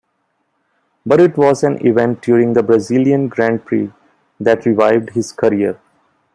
But it was an event during the Brazilian Grand Prix that revived his career.